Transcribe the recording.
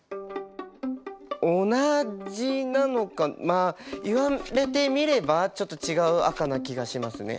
同じなのかまあ言われてみればちょっと違う赤な気がしますね。